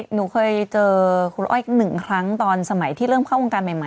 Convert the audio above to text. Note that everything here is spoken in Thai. หนูเคยเจอคุณอ้อยหนึ่งครั้งตอนสมัยที่เริ่มเข้าวงการใหม่